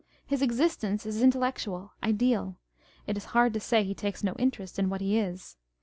His existence is intellectual, ideal : it is hard to say he takes no interest in what he is.